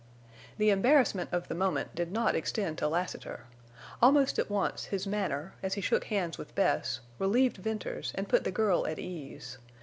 The embarrassment of the moment did not extend to Lassiter. Almost at once his manner, as he shook hands with Bess, relieved Venters and put the girl at ease.